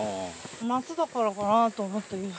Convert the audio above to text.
夏だからかなと思ったけど。